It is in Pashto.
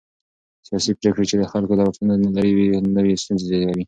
سیاسي پرېکړې چې د خلکو له واقعيتونو لرې وي، نوې ستونزې زېږوي.